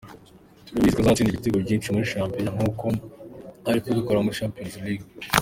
Turabizi ko azatsinda ibitego byinshi muri shampiyona nkuko ari kubikora muri Champions League.